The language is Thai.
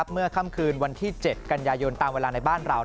เมื่อค่ำคืนวันที่๗กันยายนตามเวลาในบ้านเรา